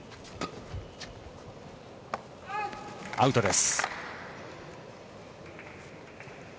アウトです。